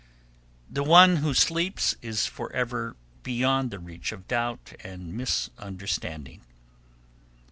The one who sleeps is forever beyond the reach of doubt and misunderstanding.